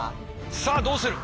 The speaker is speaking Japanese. さあどうする。